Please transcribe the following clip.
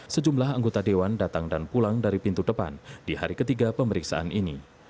sejumlah anggota dewan datang dan pulang dari pintu depan di hari ketiga pemeriksaan ini